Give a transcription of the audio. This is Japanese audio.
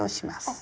あ！